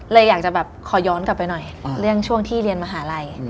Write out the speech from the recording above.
อยากจะแบบขอย้อนกลับไปหน่อยเรื่องช่วงที่เรียนมหาลัย